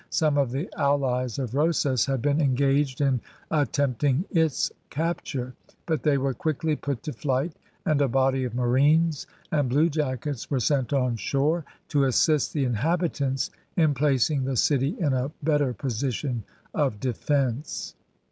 Some of the allies of Rosas had been engaged in attempting its capture, but they were quickly put to flight, and a body of marines and bluejackets were sent on shore, to assist the inhabitants in placing the city in a better position of defence.